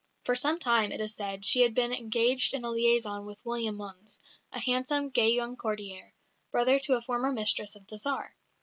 For some time, it is said, she had been engaged in a liaison with William Mons, a handsome, gay young courtier, brother to a former mistress of the Tsar.